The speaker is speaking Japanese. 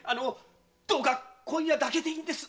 どうか今夜だけでいいんです。